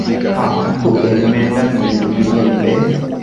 ޙައްޤު އެންމެނަށްމެ ލިބިގެންވޭ